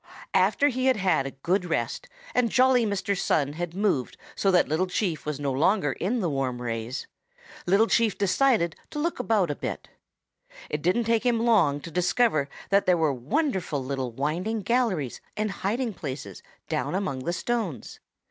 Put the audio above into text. "After he had had a good rest, and jolly Mr. Sun had moved so that Little Chief was no longer in the warm rays, Little Chief decided to look about a little. It didn't take him long to discover that there were wonderful little winding galleries and hiding places down among the stones.